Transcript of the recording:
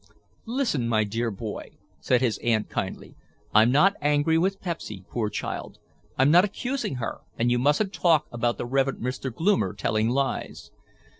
"Listen, my dear boy," said his aunt kindly. "I'm not angry with Pepsy, poor child. I'm not accusing her, and you mustn't talk about the Rev. Mr. Gloomer telling lies.